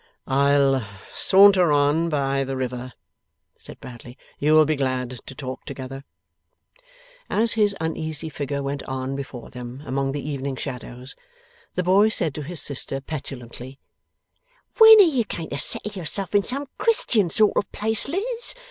'I'll saunter on by the river,' said Bradley. 'You will be glad to talk together.' As his uneasy figure went on before them among the evening shadows, the boy said to his sister, petulantly: 'When are you going to settle yourself in some Christian sort of place, Liz?